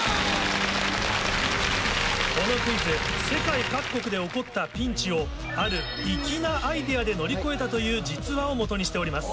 このクイズ世界各国で起こったピンチをある粋なアイデアで乗り越えたという実話を基にしております。